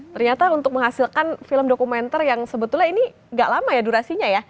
ternyata untuk menghasilkan film dokumenter yang sebetulnya ini gak lama ya durasinya ya